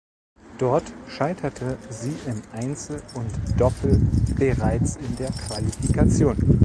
Dort scheiterte sie im Einzel und Doppel bereits in der Qualifikation.